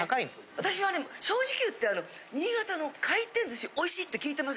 私はね正直言って新潟の回転寿司おいしいって聞いてます。